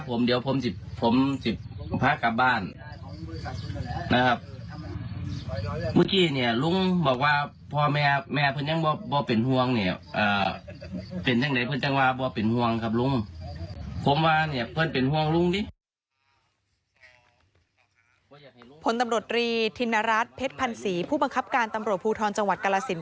ผลตำรวจรีธินรัฐเพชรพันศรีผู้บังคับการตำรวจภูทรจังหวัดกรสิน